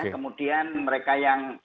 kemudian mereka yang